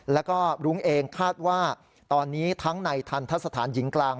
แล้วก็รุ้งเองคาดว่าตอนนี้ทั้งในทันทะสถานหญิงกลาง